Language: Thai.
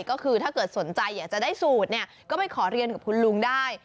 ก็คือถ้าเกิดสนใจอยากจะได้สูตรเนี่ยก็ไปขอเรียนกับคุณลุงได้